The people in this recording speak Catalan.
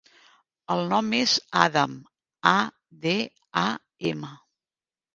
El nom és Adam: a, de, a, ema.